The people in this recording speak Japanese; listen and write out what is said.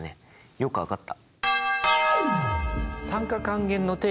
よく分かった。